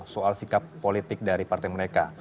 soal sikap politik dari partai mereka